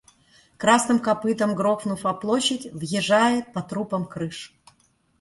Красным копытом грохнув о площадь, въезжает по трупам крыш!